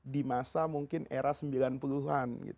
di masa mungkin era sembilan puluh an gitu ya